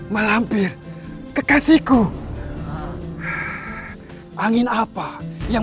setelah aku keluariding